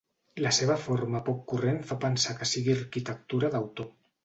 La seva forma poc corrent fa pensar que sigui arquitectura d'autor.